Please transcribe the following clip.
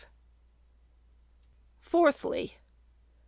04. Fourthly.